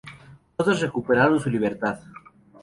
Todos recuperaron su libertad.